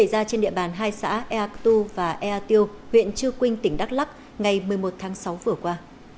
tại địa bàn hai xã eak tu và ea tiêu huyện chư quynh tỉnh đắk lắc ngày một mươi một tháng sáu vừa qua